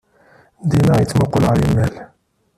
Dima yettmuqqul ɣer yimal.